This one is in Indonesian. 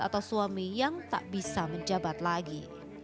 atau suami yang tak bisa menjabat lagi